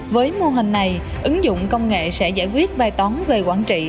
với mô hình này ứng dụng công nghệ sẽ giải quyết bài toán về quản trị